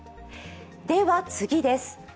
では、次です。